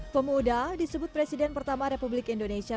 pemuda disebut presiden pertama republik indonesia